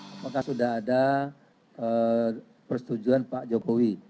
apakah sudah ada persetujuan pak jokowi